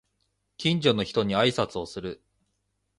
近所の人に挨拶をする